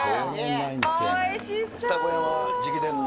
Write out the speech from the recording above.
二子山直伝の。